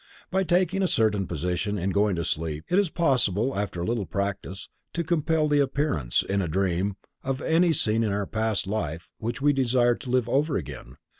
By taking a certain position in going to sleep, it is possible, after a little practice, to compel the appearance, in a dream, of any scene in our past life which we desire to live over again.